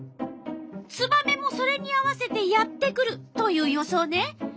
ツバメもそれに合わせてやって来るという予想ね。